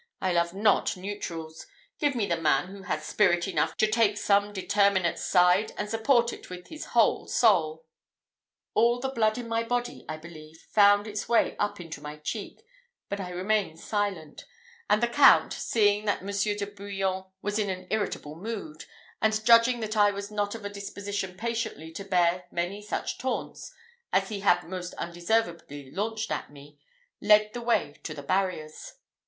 I love not neutrals. Give me the man who has spirit enough to take some determinate side, and support it with his whole soul." All the blood in my body, I believe, found its way up into my cheek; but I remained silent; and the Count, seeing that Monsieur de Bouillon was in an irritable mood, and judging that I was not of a disposition patiently to bear many such taunts as he had most undeservedly launched at me, led the way to the barriers.